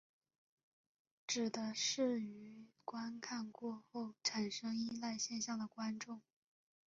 指的是于观看过后产生依赖现象的观众。